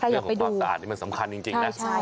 เรื่องของความสะอาดนี่มันสำคัญจริงนะ